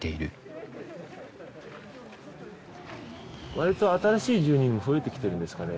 割と新しい住人も増えてきてるんですかね？